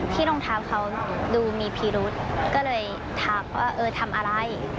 ที่รองเท้าเขาดูมีพิรุษก็เลยถามว่าทำอะไร